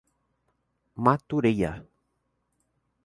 Matureia